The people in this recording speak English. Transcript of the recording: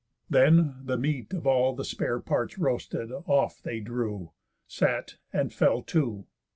Then, the meat Of all the spare parts roasted, off they drew, Sat, and fell to.